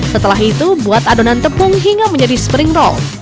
setelah itu buat adonan tepung hingga menjadi spring roll